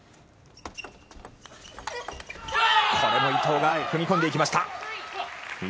これも伊藤が踏み込んでいきました。